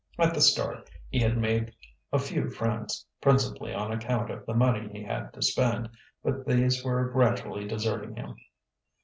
At the start, he had made a few friends, principally on account of the money he had to spend, but these were gradually deserting him.